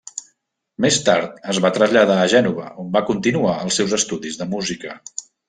Més tard es va traslladar a Gènova, on va continuar els seus estudis de música.